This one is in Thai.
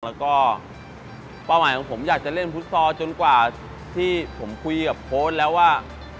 แล้วก็เป้าหมายของผมอยากจะเล่นฟุตซอลจนกว่าที่ผมคุยกับโค้ดแล้วว่า